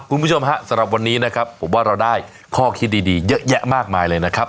คุณผู้ชมฮะสำหรับวันนี้นะครับผมว่าเราได้ข้อคิดดีเยอะแยะมากมายเลยนะครับ